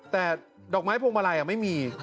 แต่ดอกไม้พวงมาลัยไม่มี